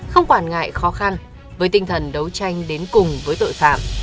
không quản ngại khó khăn với tinh thần đấu tranh đến cùng với tội phạm